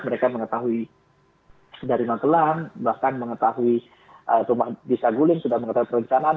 mereka mengetahui dari mantelang bahkan mengetahui tumah bisa guling sudah mengetahui perencanaan